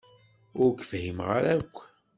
Ur k-fhimeɣ ara akk.